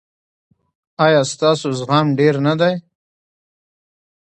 ایا ستاسو زغم ډیر نه دی؟